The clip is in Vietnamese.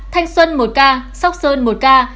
thanh xuân một ca sóc sơn một ca